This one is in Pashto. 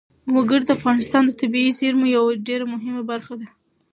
وګړي د افغانستان د طبیعي زیرمو یوه ډېره مهمه برخه ده.